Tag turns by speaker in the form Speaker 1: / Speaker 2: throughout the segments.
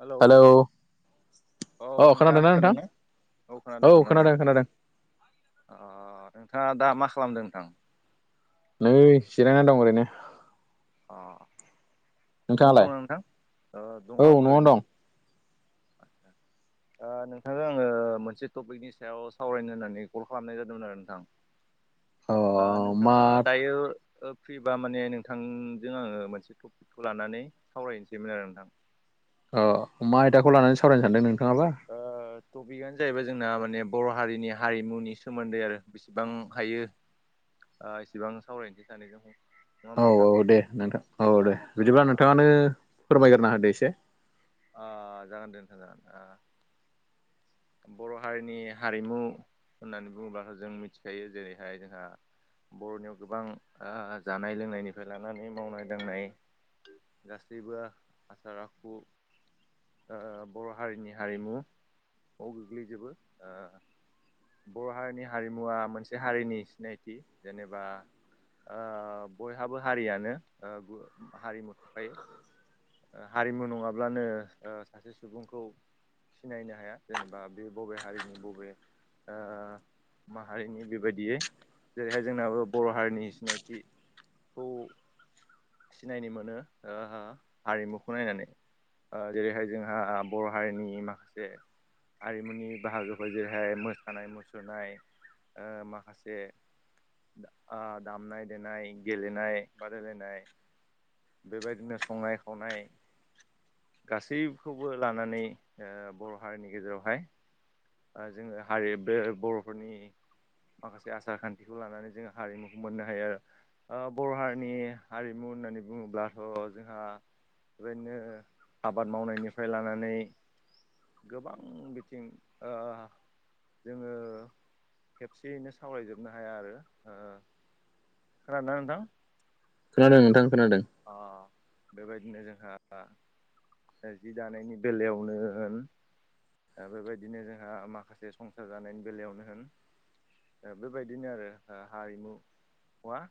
Speaker 1: Hello औ
Speaker 2: अ
Speaker 1: नोंथाङा
Speaker 2: खोनादोंना
Speaker 1: खोनादों
Speaker 2: नोंथां
Speaker 1: ना? औ खोनादों खोनादों। अ नोंथाङा दा मा खालामदों नोंथां?
Speaker 2: नै जिरायना दं ओरैनो।
Speaker 1: अ न'आवनो
Speaker 2: नोंथाङालाय
Speaker 1: दंना नोंथां? ओ
Speaker 2: औ
Speaker 1: दङ आंबो
Speaker 2: न'आवनो
Speaker 1: ओरैनो।
Speaker 2: दं
Speaker 1: आतसा। ओ नोंथांजों आङो मोनसे टपिकनि सायाव सावरायनो होननानै कल खालामनाय जादोंमोन आरो नोंथां। आ
Speaker 2: अ मा
Speaker 1: नोंथाङा दायो ओ फ्रिबा माने नोंथांजों आङो मोनसे टपिकखौ लानानै सावरायनसैमोन आरो नोंथां।
Speaker 2: अ मा आयदाखौ लानानै सावरायनो सान्दों नोंथाङाबा!
Speaker 1: ओ टपिकआनो जाहैबाय जोंना माने बर' हारिनि हारिमुनि सोमोन्दै आरो बेसेबां हायो। ओ इसेबां सावरायनसै सानैजोंनो।
Speaker 2: औ औ दे नोंथां औ दे।
Speaker 1: ओ
Speaker 2: बिदिबा नोंथाङानो फोरमायग्रोना होदो एसे।
Speaker 1: ओ जागोन दे नोंथां जागोन। ओ बर' हारिनि हारिमु होननानै बुङोबाथ' जों मिथिखायो जेरैहाय जोंहा बर'नियाव गोबां ओ जानाय लोंनायनिफ्राय लानानै मावनाय दांनाय गासैबो आसार आखु ओ बर' हारिनि हारिमु आव गोग्लैजोबो ओ बर' हारिनि हारिमुवा मोनसे हारिनि सिनायथि जेनेबा ओ बयहाबो हारियानो ओ गु हारिमु थाखायो। ओ हारिमु नङाब्लानो ओ सासे सुबुंखौ सिनायनो हाया जेनेबा बे बबे हारिनि बबे ओ माहारिनि बेबायदियै। जेरैहाय जोंनाबो बर' हारिनि सिनायथि खौ सिनायनि मोनो ओ हो हारिमुखौ नायनानै। ओ जेरैहाय जोंहा बर' हारिनि माखासे आरिमुनि बाहागोफोर जेरैहाय मोसानाय मुसुरनाय ओ माखासे दा आ दामनाय देनाय गेलेनाय बादायलायनाय। बेबायदिनो संनाय खावनाय गासिब खौबो लानानै ओ बर' हारिनि गेजेरावहाय ओ जोङो हारि बे बर'फोरनि माखासे आसार खान्थिखौ लानानै जोङो हारिमुखौ मोननो हायो आरो। ओ बर' हारिनि हारिमु होननानै बुङोब्लाथ' जोंहा बेबायदिनो आबाद मावनायनिफ्राय लानानै गोबां बिथिं ओ जोङो खेबसेयैनो सावरायजोबनो हाया आरो ओ खोनादोंना नोंथां?
Speaker 2: खोनादों नोंथां खोनादों।
Speaker 1: ओ बेबायदिनो जोंहा जि दानायनि बेलायावनो दा बेबायदिनो जोंहा माखासे संसार जानायनि बेलायावनो होन दा बेबायदिनो आरो ओ हारिमुआ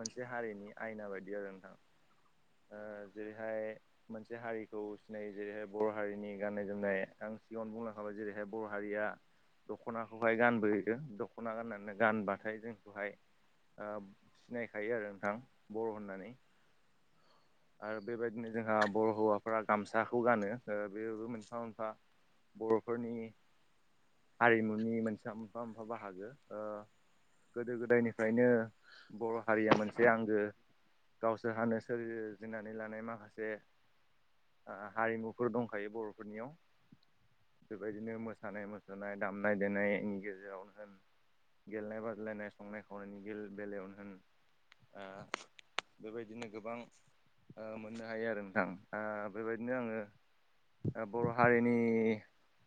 Speaker 1: मोनसे हारिनि आयना बायदि आरो नोंथां। ओ जेरैहाय मोनसे हारिखौ सिनायो जेरैहाय बर' हारिनि गाननाय जोमनाय आं सिगाङावनो बुंलांखाबाय जेरैहाय बर' हारिया दख'नाखौहाय गानबोहदों दख'ना गाननानै गानबाथाय जोंखौहाय सिनायखायो आरो नोंथां बर' होननानै आरो बेबायदिनो जोंहा बर' हौवाफोरा गामसाखौ गानो ओ बेबो मोनफा मोनफा बर'फोरनि हारिमुनि मोनसे मोनफा मोनफा बाहागो ओ गोदो गोदायनिफ्रायनो बर' हारिया मोनसे आंगो गावसोर हानो सोर जिनानै लानाय माखासे हारिमुफोर दंखायो बर'फोरनियाव। बेबायदिनो मोसानाय मुसुरनाय दामनाय देनायनि गेजेरावनो होन गेलेनाय बादलायनाय संनाय खावनायनि बेल बेलायावनो होन आं बेबायदिनो गोबां ओ मोननो हायो आरो नोंथां आ बेबायदिनो आङो बर' हारिनि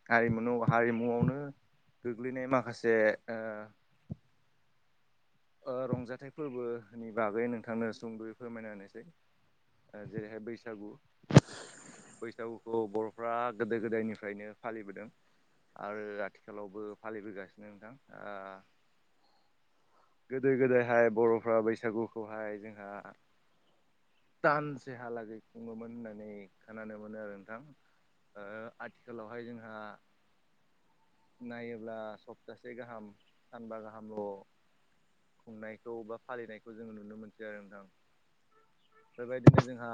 Speaker 1: हारिमु हारिमुआवनो गोग्लैनाय माखासे ओ ओ रंजाथाइ फोरबोनि बागै नोंथांनो सुंद'यै फोरमायना होनोसै जेरैहाय बैसागु बैसागुखौ बर'फ्रा गोदो गोदायनिफ्रायनो फालिबोदों आरो आथिखालावबो फालिबोगासिनो नोंथां आ गोदो गोदायहाय बर'फ्रा बैसागुखौहाय जोंहा दानसेहालागै खुङोमोन होननानै खोनानो मोनो आरो नोंथां ओ आथिखालावहाय जोंहा नायोब्ला सप्तासे गाहाम सानबा गाहामल' खुंनायखौ बा फालिनायखौ जोंङो नुनो मोनसै आरो नोंथां बेबायदिनो जोंहा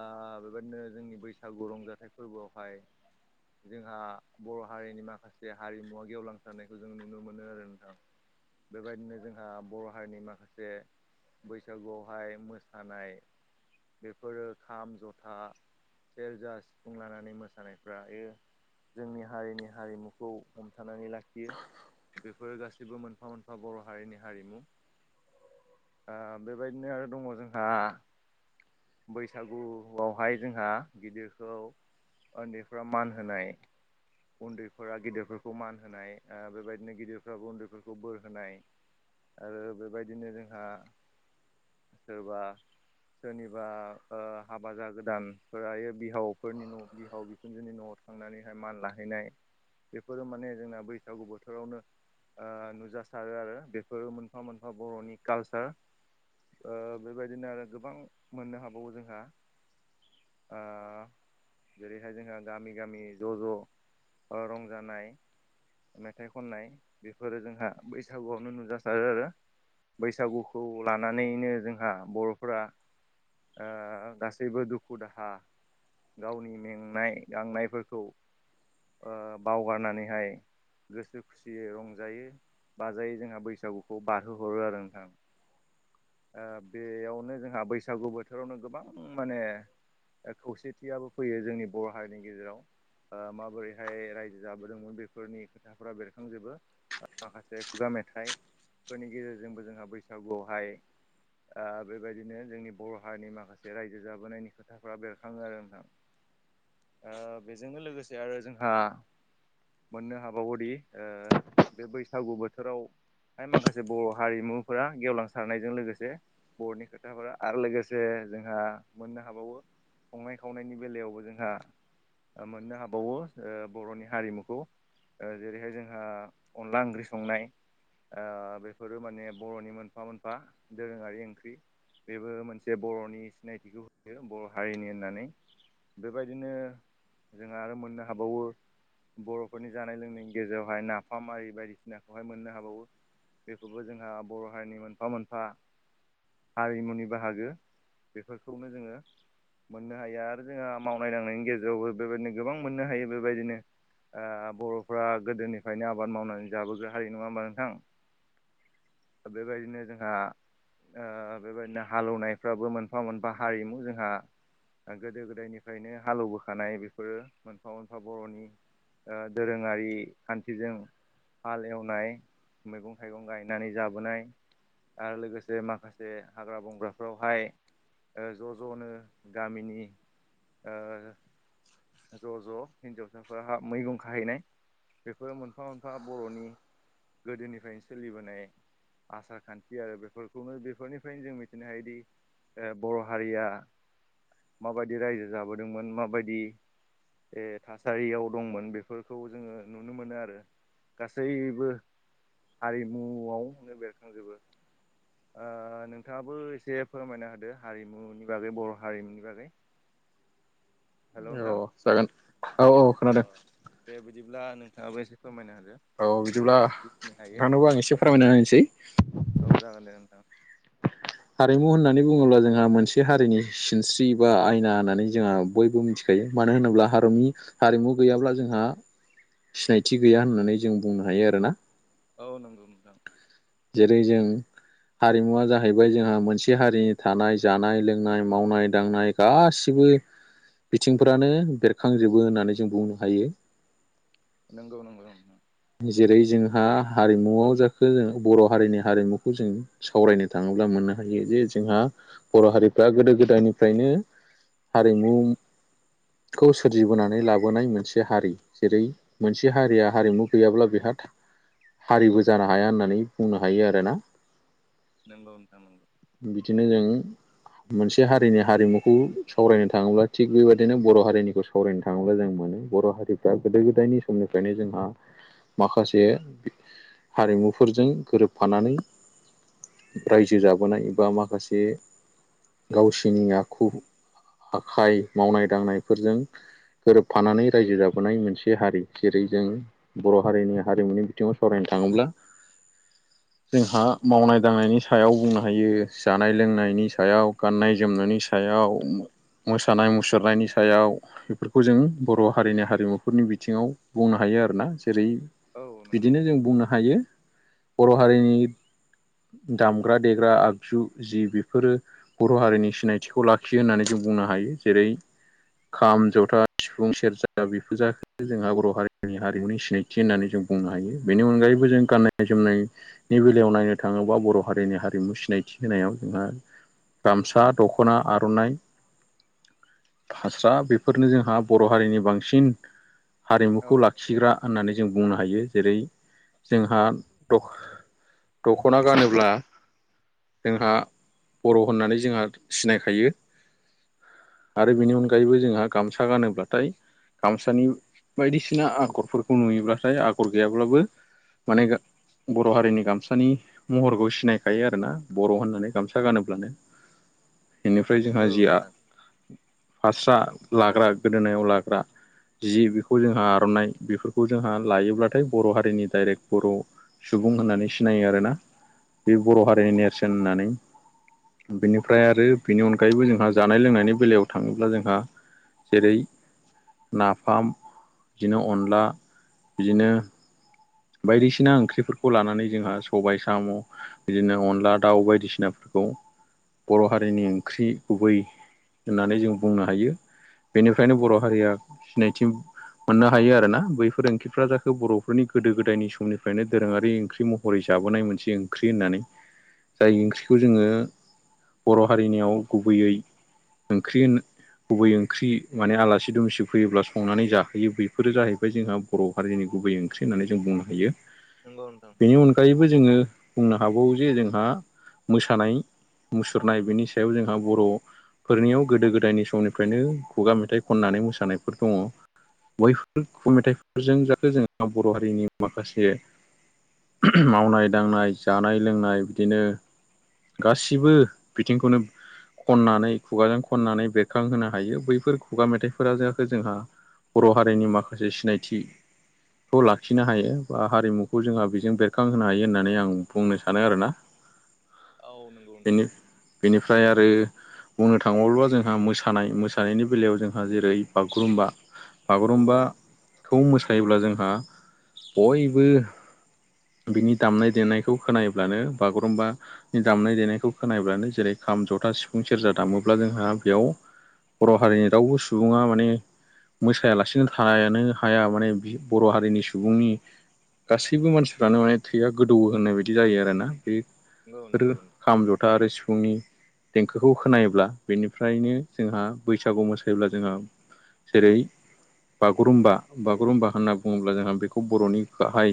Speaker 1: ओ बेबायदिनो जोंनि बैसागु रंजाथाइ फोरबोआवहाय जोंहा बर' हारिनि माखा से हारिमुवा गेवलांसारनायखौ जों नुनो मोनो आरो नोंथां। बेबायदिनो जोंहा बर' हारिनि माखासे बैसागुआवहाय मोसानाय बेफोरो खाम जथा सेरजा सिफुं लानानै मोसानायफ्रायो जोंनि हारिनि हारिमु खौ हमथानानै लाखियो बेफोरो गासैबो मोनफा मोनफा बर' हारिनि हारिमु आ बेबायदिनो आरो दङ जोंहा बैसागुआवहाय जोंहा गिदिरखौ ओन्दैफ्रा मान होनाय उन्दै फोरा गिदिरफोरखौ मान होनाय ओ बेबायदिनो गिदिरफ्राबो उन्दैफोरखौ बोर होनाय आरो बेबायदिनो जोंहा सोरबा सोरनिबा हाबा जा गोदानफोरायो बिहावफोरनि न' बिहाव बि जोंनि न'आव थांनानैहाय मान लाहैनाय बेफोरो माने जोंना बैसागु बोथोरावनो ओ नुजासारो आरो बेफोरो मोनफा मोनफा बर'नि कालसार ओ बेबायदिनो आरो गोबां मोननो हाबावो जोंहा ओ जेरैहाय जोंहा गामि गामि ज' ज' रंजानाय मेथाइ खननाय बेफोरो जोंहा बैसागुआवनो नुजासारो आरो। बैसागुखौ लानानैनो जोंहा बर'फोरा ओ गासैबो दुखु दाहा गावनि मेंनाय गांनायफोरखौ ओ बावगारनानैहाय गोसो खुसियै रंजायो बाजायो जोंहा बैसागुखौ बारहोहरो आरो नोंथां। ओ बेयावनो जोंहा बैसागु बोथोरावनो गोबां माने खौसेथियाबो फैयो जोंनि बर' हारिनि गेजेराव ओ माबोरैहाय रायजो जाबोदोंमोन बेफोरनि खोथाफोरा बेरखांजोबो माखासे खुगा मेथाइफोरनि गेजेरजोंबो जोंहा बैसागुआवहाय ओ बेबायदिनो जोंनि बर' हारिनि माखासे रायजो जाबोनायनि खोथाफोरा बेरखाङो आरो नोंथां। ओ बेजोंनो लोगोसे आरो जोंहा मोननो हाबावोदि बे बैसागु बोथोराव माखासे बर' हारिमुफोरा गेवलांसारनायजों लोगो से बर'नि खोथाफोरा आरो लोगोसे जोंहा मोननो हाबावो संनाय खावनायनि बेलायावबो जोंहा मोननो हाबावो बर'नि हारिमुखौ जेरैहाय जोंहा अनला ओंख्रि संनाय ओ बेफोरो माने बर'नि मोनफा मोनफा दोरोङारि ओंख्रि बेबो मोनसे बर'नि सिनायथिखौ होयो बर' हारिनि होननानै। बेबायदिनो जोंहा आरो मोननो हाबावो बर'फोरनि जानाय लोंनायनि गेजेरावहाय नाफाम आरि बायदिसिनाखौहाय मोननो हाबावो। बेखौबो जोंहा बर' हारिनि मोनफा मोनफा हारिमुनि बाहागो बेफोरखौनो जोंङो मोननो हायो आरो जोंहा मावनाय दांनायनि गेजेरावबो बेबायदिनो गोबां मोननो हायो बेबायदिनो ओ बर'फ्रा गोदोनिफ्रायनो आबाद मावनानै जाबोग्रा हारि नङा होमबा नोंथां। बेबायदिनो जोंहा ओ बेबायदिनो हालेवनायफ्राबो मोनफा मोनफा हारिमु जोंहा गोदो गोदायनिफ्रायनो हालौबोखानाय बेफोरो मोनफा मोनफा बर'नि ओ दोरोङारि खान्थिजों हालेवनाय मैगं थाइगं गायनानै जाबोनाय आरो लोगो जे माखासे हाग्रा बंग्राफ्रावहाय ज' ज'नो गामिनि ओ ज' ज' हिन्जावसाफोर मैगं खाहैनाय बेफोर मोनफा मोनफा बर'नि गोदोनिफायनो सोलिबोनाय आसार खान्थि आरो बेफोर खौनो बेफोरनिफ्रायनो जों मिथिनो हायोदि बर' हारिया माबायदि रायजो जाबोदोंमोन माबायदि ए थासारियाव दंमोन बेफोरखौ जोङो नुनो मोनो आरो। गासैबो हारिमुआवनो बेरखांजोबो। ओ नोंथाङाबो एसे फोरमायना होदो हारिमुनि बागै बर' हारिमुनि बागै। हेलौ नोंथां
Speaker 2: औ जागोन औ औ
Speaker 1: अ।
Speaker 2: खोनादों
Speaker 1: दे बिदिब्ला नोंथाङाबो एसे फोरमायना होदो।
Speaker 2: औ बिदिब्ला
Speaker 1: जिखिनि हायो
Speaker 2: नोंथांनोबो आं एसे फोरमायना होनसै।
Speaker 1: औ जागोन दे नोंथां।
Speaker 2: हारिमु होननानै बुङोब्ला जोंहा मोनसे हारिनि सिनस्रि बा आयना होननानै जोंहा बयबो मिथि खायो मानो होनोब्ला हारिमनि हारिमु गैयाब्ला जोंहा सिनायथि गैया होननानै जों बुंनो हायो आरो ना।
Speaker 1: औ नोंगौ नोंथां।
Speaker 2: जेरै जों हारिमुवा जाहैबाय जोंहा मोनसे हारिनि थानाय जानाय लोंनाय मावनाय दांनाय। गासिबो बिथिंफ्रानो बेरखांजोबो होननानै जों बुंनो हायो।
Speaker 1: नंगौ नंगौ नोंथां।
Speaker 2: जेरै जोंहा हारिमुआव जाखो जों बर' हारिनि हारिमुखौ जों सावरायनो थाङोब्ला मोननो हायो जे जोंहा बर' हारिफ्रा गोदो गोदायनिफ्रायनो हारिमु खौ सोरजिबोनानै लाबोनाय मोनसे हारि जेरै मोनसे हारिया हारिमु गैयाब्ला बेहा था हारिबो जानो हाया होननानै बुंनो हायो आरो ना।
Speaker 1: नोंगौ नोंथां नोंगौ।
Speaker 2: बिदिनो जों मोनसे हारिनि हारिमुखौ सावरायनो थाङोब्ला थिग बेबायदिनो बर' हारिनिखौ सावरायनो थाङोब्ला जों मोनो बर' हारिफ्रा गोदो गोदायनि समनिफ्रायनो जोंहा माखासे हारिमुफोरजों गोरोबफानानै रायजो जाबोनाय बा माखासे गावसिनि आखु आखाइ मावनाय दांनायफोरजों गोरोबफानानै रायजो जाबोनाय मोनसे हारि जेरै जों बर' हारिनि हारिमुनि बिथिङाव सावरायनो थाङोब्ला जोंहा मावनाय दांनायनि सायाव बुंना हायो जानाय लोंनायनि सायाव गाननाय जोमनायनि सायाव। मोसानाय मुसुरनायनि सायाव। बेफोरखौ जों बर' हारिनि हारिमुफोरनि बिथिङाव बुंनो हायो आरो ना। जेरै
Speaker 1: औ नंगौ
Speaker 2: बिदिनो जों बुंनो हायो बर' हारिनि दामग्रा देग्रा आगजु जि बिफोरो बर' हारिनि सिनायथिखौ लाखियो होननानै जों बुंनो हायो जेरै खाम, जथा, सिफुं, सेरजा बेफोर जाख जोंहा बर' हारिनि हारिमुनि सिनायथि होननानै जों बुंनो हायो। बेनि अनगायैबो जों गाननाय जोमनाय नि बेलायाव नायनो थाङोब्ला बर' हारिनि हा हारिमु सिनायथि होनायाव बा गामसा, दख'ना, आर'नाइ फास्रा बेफोरनो जोंहा बर' हारिनि बांसिन
Speaker 1: औ
Speaker 2: हारिमुखौ
Speaker 1: नंगौ
Speaker 2: लाखिग्रा
Speaker 1: नोंथां
Speaker 2: होननानै जों बुंनो हायो। जेरै' जोंहा द दख'ना गानोब्ला जोंहा बर' होननानै जोंहा सिनायखायो। आरो बेनि अनगायैबो जोंहा गामसा गानोब्लाथाय गामसानि बायदिसिना आगरफोरखौ नुयोब्लाथाय आगर गैयाब्लाबो माने गा बर' हारिनि गामसानि महरखौ सिनाय खायो आरो ना बर' होननानै गामसा गानोब्लानो। इनिफ्राय जोंहा
Speaker 1: नंगौ
Speaker 2: जिया
Speaker 1: नोंथां
Speaker 2: फास्रा लाग्रा गोदोनायाव लाग्रा जि बेखौ जोंहा आर'नाइ बेफोरखौ जोंहा लायोब्लाथाय बर' हारिनि दडाइरेक्ट बर' सुबुं होननानै सिनायो आरो ना। बे बर' हारिनि नेरसोन होननानै बेनिफ्राय आरो बेनि अनगायैबो जोंहा जानाय लोंनायनि बेलायाव थाङोब्ला जोंहा जेरै नाफाम बिदिनो अनला बिदिनो बायदिसिना ओंख्रिफोरखौ लानानै जोंहा सबाय साम' बिदिनो अनला दाउ बायदिसिनाफोरखौ बर' हारिनि ओंख्रि गुबै होननानै जों बुंनो हायो। बेनिफ्रायनो बर' हारिया सिनायथि मोननो हायो आरो ना। बैफोर ओंख्रिफ्रा जाखो बर'फोरनि गोदो गोदायनि समनिफ्रायनो दोरोङारि ओंख्रि महरै जाबोनाय मोनसे ओंख्रि होननानै जाय ओंख्रिखौ जोङो बर' हारिनियाव गुबैयै ओंख्रि गुबै ओंख्रि माने आलासि दुमसि फैयोब्ला संनानै जाहोयो बेफोरो जाहैबाय जोंहा बर' हारिनि गुबै ओंख ख्रि होननानै जों बुंनो हायो।
Speaker 1: नंगौ नोंथां।
Speaker 2: बेनि अनगायैबो जोङो बुंनो हागौ जे जोंहा मोसानाय मुसुरनाय बेनि सायाव जोंहा बर' फोरनियाव गोदो गोदायनि समनिफ्रायनो खुगा मेथाइ खननानै मोसानायफोर दङ। बैफोर खु मेथाइफोरजों जाथे जोंहा बर' हारिनि माखासे मावनाय दांनाय जानाय लोंनाय बिदिनो गासिबो बिथिंखौनो खननानै खुगाजों खननानै बेरखांहोनो हायो बैफोर खुगा मेथाइफोरा जाखो जोंहा बर' हारिनि माखासे सिनायथि खौ लाखिनो हायो बा हारिमुखौ जोंहा बेजों बेरखांहोनो हायो होननानै आं बुंनो सानो आरोना।
Speaker 1: औ नंगौ।
Speaker 2: बेनि बेनिफ्राय आरो बुंनो थाङोबाव्लाा जोंहा मोसानाय मोसानायनि बेलायाव जोंहा जेरै बागुरुम्बा
Speaker 1: औ औ
Speaker 2: बागुरुम्बाखौ मोसायोब्ला जोंहा बयबो बिनि दामनाय देनायखौ खोनायोब्लानो बागुरुम्बा दामनाय देनायखौ खोनाब्लानो जेरै खाम जथा सिफुं सेरजा दामोब्ला जोंहा बेयाव बर' हारिनि रावबो सुबुङा माने मोसायालासिनो थानो हाया माने बर' हारिनि सुबुंनि गासैबो मानसिफ्रानो माने थैया गोदौ होननाय बायदि जायो आरोना बे
Speaker 1: नंगौ
Speaker 2: फोरो
Speaker 1: नंगौ नोंथां।
Speaker 2: खाम जथा आरो सिफुंनि देंखोखौ खोनायोब्ला बेनिफ्रायनो जोंहा बैसागु मोसायोब्ला जोंहा जेरै बागुरुम्बा बागुरुम्बा होनना बुङोब्ला जोंहा बेखौ बर'नि गाहाय